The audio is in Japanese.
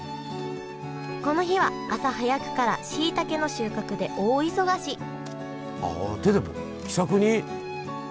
この日は朝早くからしいたけの収穫で大忙しあ手で。